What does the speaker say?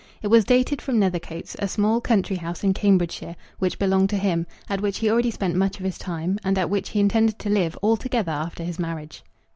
It was dated from Nethercoats, a small country house in Cambridgeshire which belonged to him, at which he already spent much of his time, and at which he intended to live altogether after his marriage.